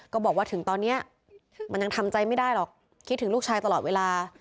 ก็บอกว่าถึงตอนนี้มันยังทำใจไม่ได้หรอกคิดถึงลูกชายตลอดเวลา